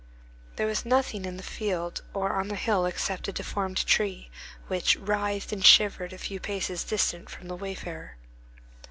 There was nothing in the field or on the hill except a deformed tree, which writhed and shivered a few paces distant from the wayfarer.